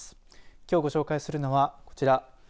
きょう、ご紹介するのはこちら。